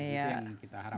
itu yang kita harapkan